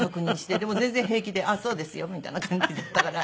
でも全然平気であっそうですよみたいな感じだったから。